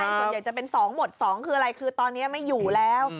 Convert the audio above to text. อย่างจะเป็น๒หมด๒คืออะไรตอนนี้ไม่อยู่แล้ว